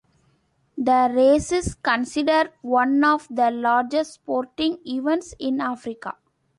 The race is considered one of the largest sporting events in Africa.